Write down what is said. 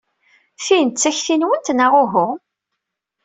Tin d takti-nwent, neɣ uhu?